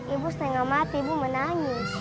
ibu setengah mati ibu menangis